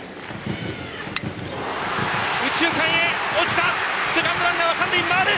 右中間、落ちた！